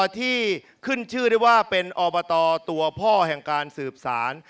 ที่ขึ้นชื่อได้ว่าเป็นอบตตัวพ่อแห่งการสืบสาร